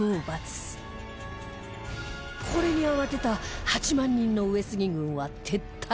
これに慌てた８万人の上杉軍は撤退